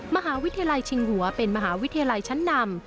มหาวิทยาลัยชิงหัวเป็นมหาวิทยาลัยชั้นนำ